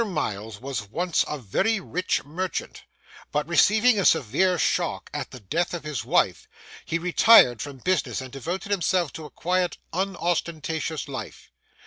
Miles was once a very rich merchant; but receiving a severe shock in the death of his wife, he retired from business, and devoted himself to a quiet, unostentatious life.